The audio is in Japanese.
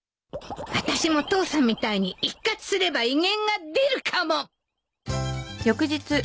あたしも父さんみたいに一喝すれば威厳が出るかも！